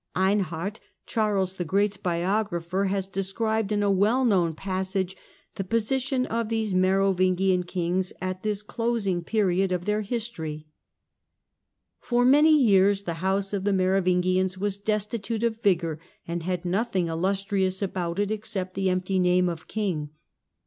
Einhard, Charles the Great's biographer, has de scribed in a well known passage the position of these Merovingian kings at this closing period of their history :— The later " For many years the house of the Merovingians was vSgians destitute of vigour and had nothing illustrious about it except the empty name of king.